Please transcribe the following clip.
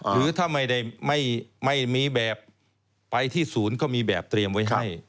หรือถ้าไม่ได้ไม่มีแบบไปที่ศูนย์ก็มีแบบเตรียมไว้ให้